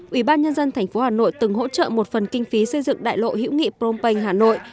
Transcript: ủy ban nhân dân thành phố hà nội từng hỗ trợ một phần kinh phí xây dựng đại lộ hữu nghị phnom penh hà nội